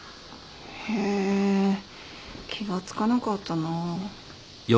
へぇ気が付かなかったなぁ。